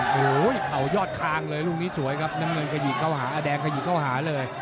โอ้โหข่ายอดคางเลยลูกนี้สวยครับน้องเงินกระหยีเข้าหาอาแดงกระหยีเข้าหาเลย